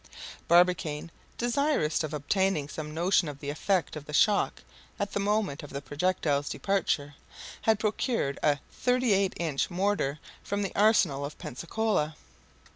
Barbicane, desirous of obtaining some notion of the effect of the shock at the moment of the projectile's departure, had procured a 38 inch mortar from the arsenal of Pensacola.